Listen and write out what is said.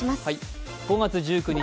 ５月１９日